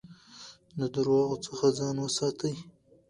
د درواغو څخه ځان وساتئ.